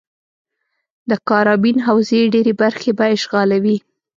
د کارابین حوزې ډېرې برخې به اشغالوي.